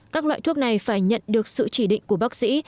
các loại thuốc này phải nhận được sự chỉ định của bác sĩ